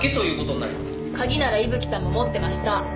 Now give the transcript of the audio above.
鍵なら伊吹さんも持ってました。